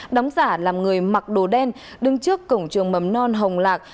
đóng giả làm người mặc đồ đen đứng trước cổng trường mầm non hồng lạc